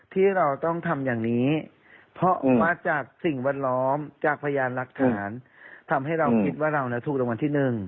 พี่ก็พูดอย่างนี้เพราะว่ารัตทอรี่อ่ะ